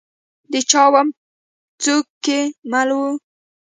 د چا ومه؟ څوک کې مل وه ؟